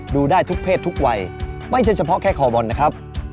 ดูได้ทุกเพศทุกวัยไม่ใช่เฉพาะแค่คอบอลนะครับ